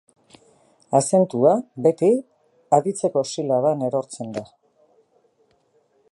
Azentua beti aditzeko silaban erortzen da.